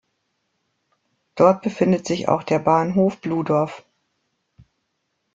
Dort befindet sich auch der Bahnhof Bludov.